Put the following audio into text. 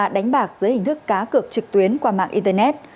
dưới hình thức cá cực trực tuyến qua mạng internet